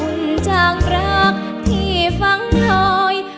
อุ่นจากรักที่ฟังหน่อย